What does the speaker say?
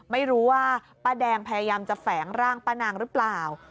ไม่รู้ว่าป้าแดงพยายามจะแฝงร่างป้านางหรือเปล่า